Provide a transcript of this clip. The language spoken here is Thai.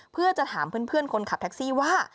เพื่อจะถามเพื่อนคนขับแท็กซี่ว่า